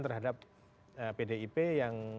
terhadap pdip yang